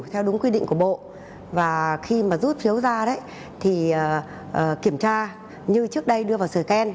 theo đúng quy định của bộ và khi mà rút phiếu ra đấy thì kiểm tra như trước đây đưa vào sử khen